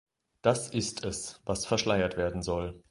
Das ist es, was verschleiert werden soll.